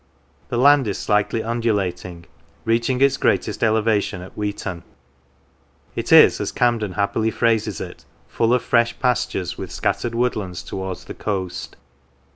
The land is slightly undulating, reaching its greatest elevation at Weeton; it is, as Camden happily phrases it, full of fresh pastures, with scattered woodlands towards the coast.